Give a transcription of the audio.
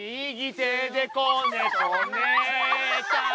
右手でこねこね！